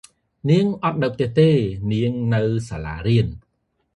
នាងអត់នៅផ្ទះទេ នាងនៅសាលារៀន។